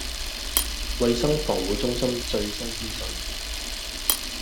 衞生防護中心最新資訊